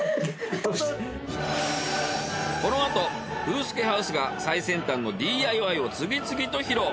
このあとフースケハウスが最先端のＤＩＹを次々と披露。